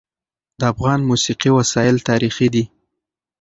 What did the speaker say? د افغان موسیقي وسایل تاریخي دي.